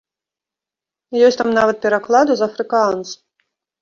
Ёсць там нават пераклады з афрыкаанс.